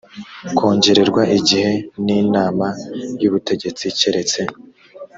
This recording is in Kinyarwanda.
kongererwa igihe n inama y ubutegetsi keretse